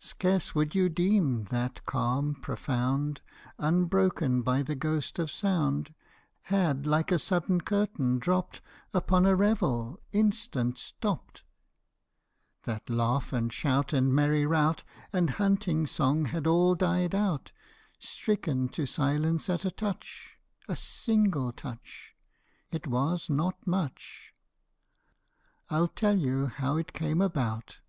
Scarce would you deem that calm profound, Unbroken by the ghost of sound, Had, like a sudden curtain, dropt Upon a revel, instant stopt, That laugh and shout and merry rout And hunting song had all died out, Stricken to silence at a touch A single touch ! It was not much ! I '11 tell you how it came about.